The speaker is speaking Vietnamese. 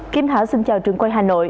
kim thảo xin chào trường quân hà nội